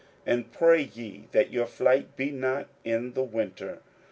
41:013:018 And pray ye that your flight be not in the winter.